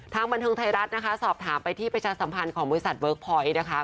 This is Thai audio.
บันเทิงไทยรัฐนะคะสอบถามไปที่ประชาสัมพันธ์ของบริษัทเวิร์คพอยต์นะคะ